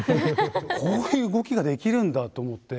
こういう動きができるんだと思って。